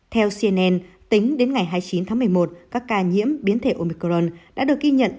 theo cnn tính đến ngày hai mươi chín tháng một mươi một các ca nhiễm biến thể omicron đã được ghi nhận